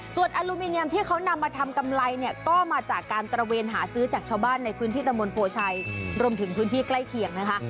ส่วนอลูมิเนียมที่เขานำมาทำกำไรเนี่ยก็มาจากการตระเวนหาซื้อจากชาวบ้านในพื้นที่ตะมนตโพชัยรวมถึงพื้นที่ใกล้เคียงนะคะ